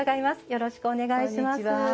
よろしくお願いします。